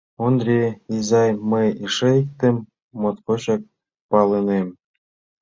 — Ондре изай, мый эше иктым моткочак палынем.